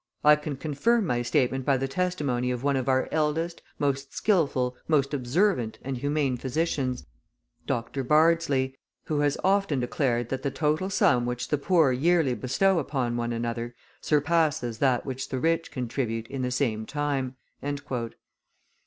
I can confirm my statement by the testimony of one of our eldest, most skilful, most observant, and humane physicians, Dr. Bardsley, who has often declared that the total sum which the poor yearly bestow upon one another, surpasses that which the rich contribute in the same time."